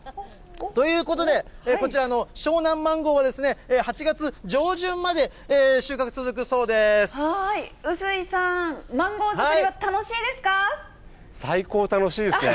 ということで、こちらの湘南マンゴーは８月上旬まで、臼井さん、マンゴー作りは楽最高楽しいですね。